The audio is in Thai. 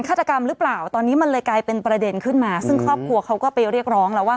ฆาตกรรมหรือเปล่าตอนนี้มันเลยกลายเป็นประเด็นขึ้นมาซึ่งครอบครัวเขาก็ไปเรียกร้องแล้วว่า